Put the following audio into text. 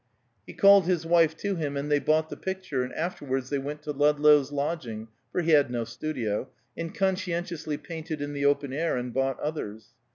He called his wife to him, and they bought the picture, and afterwards they went to Ludlow's lodging, for he had no studio, and conscientiously painted in the open air, and bought others.